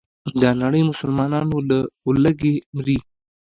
دنړۍ مسلمانان له ولږې مري.